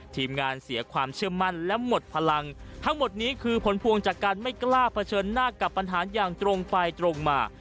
ทีมงานเสียความเชื่อมั่นและหมดพลังทั้งหมดนี้คือผลพวงจากการไม่กล้าเผชิญหน้ากับปัญหาอย่างตรงไปตรงมา